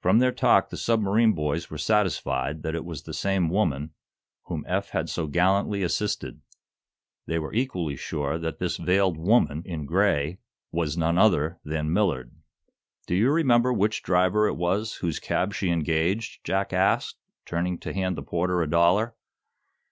From their talk the submarine boys were satisfied that it was the same "woman" whom Eph had so gallantly assisted. They were equally sure that this veiled "woman" in gray was none other than Millard. "Do you remember which driver it was whose cab she engaged?" Jack asked, turning to hand the porter a dollar.